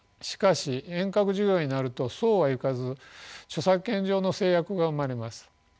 しかし遠隔授業になるとそうはいかず著作権上の制約が生まれます。